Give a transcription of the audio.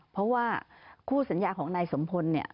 เพราะว่าคู่สัญญาณของในสมพล